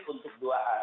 untuk dua hari